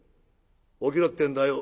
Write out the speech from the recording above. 起きろってんだよ」。